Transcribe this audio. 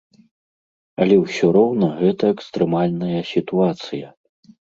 Але ўсё роўна гэта экстрэмальная сітуацыя!